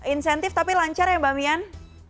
insentif tapi lancar ya mbak mian